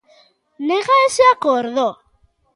¿Nega ese acordo?